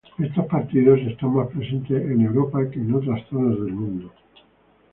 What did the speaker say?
Estos partidos están más presentes en Europa que en otras zonas del mundo.